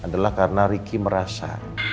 adalah karena ricky merasa